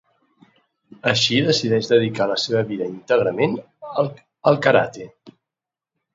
Així decideix dedicar la seva vida íntegrament al karate.